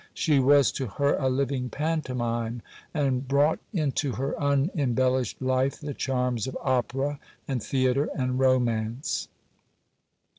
She was to her a living pantomime, and brought into her unembellished life the charms of opera, and theatre, and romance.